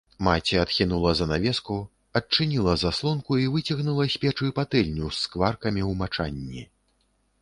Маці адхінула занавеску, адчыніла заслонку і выцягнула з печы патэльню з скваркамі ў мачанні.